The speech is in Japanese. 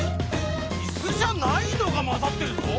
イスじゃないのがまざってるぞ！